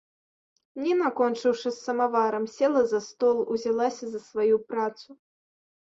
Ніна, кончыўшы з самаварам, села за стол, узялася за сваю працу.